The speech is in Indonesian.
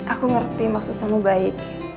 aku ngerti maksud kamu baik